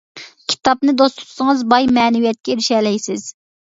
كىتابنى دوست تۇتسىڭىز، باي مەنىۋىيەتكە ئېرىشەلەيسىز.